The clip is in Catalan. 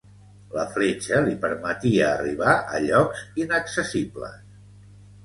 La fletxa li permetia arribar a llocs inaccessibles.